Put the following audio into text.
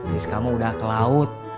siskamu udah ke laut